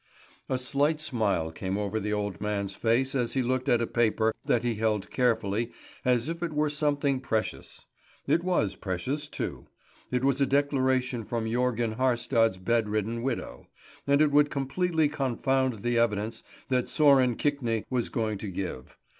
A slight smile came over the old man's face as he looked at a paper that he held carefully as if it were something precious. It was precious too. It was a declaration from Jörgen Haarstad's bed ridden widow; and it would completely confound the evidence that Sören Kvikne was going to give.